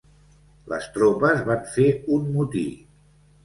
Les tropes van fer un motí.